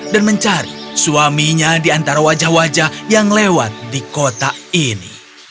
mencari suaminya di antara wajah wajah yang lewat di kota ini